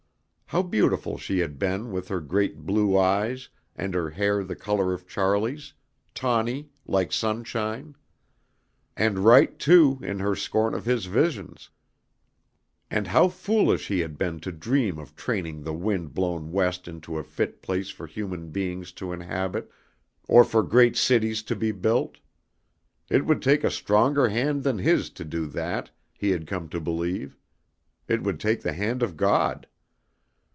How beautiful she had been with her great blue eyes and her hair the color of Charlie's, tawny, like sunshine! And right, too, in her scorn of his visions. And how foolish he had been to dream of training the wind blown West into a fit place for human beings to inhabit, or for great cities to be built! It would take a stronger hand than his to do that, he had come to believe. It would take the hand of God.